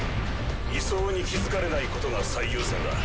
移送に気付かれないことが最優先だ。